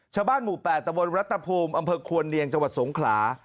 หมู่๘ตะบนรัฐภูมิอำเภอควรเนียงจังหวัดสงขลา